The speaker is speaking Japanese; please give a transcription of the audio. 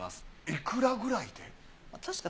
いくらくらいで？